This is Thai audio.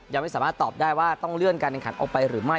ยังไม่สามารถตอบได้ว่าต้องเลื่อนการแข่งขันออกไปหรือไม่